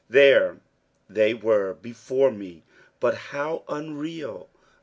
There they were before me, but how unreal.